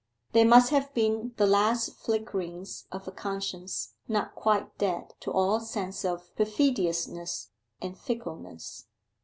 They must have been the last flickerings of a conscience not quite dead to all sense of perfidiousness and fickleness.